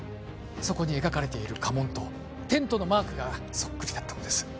そこに描かれている家紋とテントのマークがそっくりだったのです